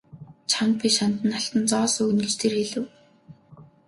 Чамд би шанд нь алтан зоос өгнө гэж тэр хэлэв.